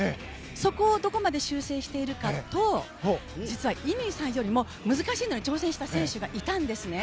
そこをどこまで調整してくるかと実は乾さんよりも難しいのに挑戦した選手がいたんですね。